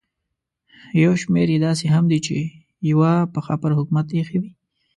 یو شمېر یې داسې هم دي چې یوه پښه پر حکومت ایښې وي.